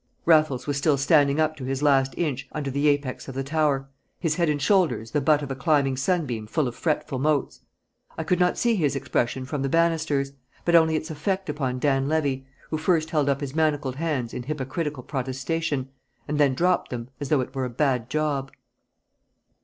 Raffles was still standing up to his last inch under the apex of the tower, his head and shoulders the butt of a climbing sunbeam full of fretful motes. I could not see his expression from the banisters, but only its effect upon Dan Levy, who first held up his manacled hands in hypocritical protestation, and then dropped them as though it were a bad job.